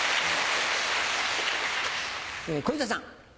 小遊三さん。